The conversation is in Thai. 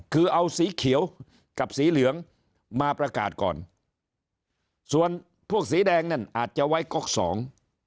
คือเอาสีเขียวกับสีเหลืองมาประกาศก่อนส่วนพวกสีแดงนั่นอาจจะไว้ก๊อกสอง